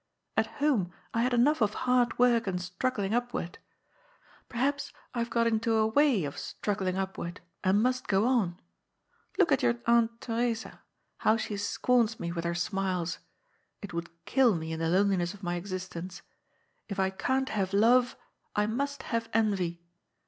At home I had enough of hard work and struggling upward. Perhaps I have got into a way of struggling upward, and must go on. Look at your aunt Theresa, how she scorns me with her smiles. It would kill me in the loneliness of my existence. If I can't have love, I must have envy.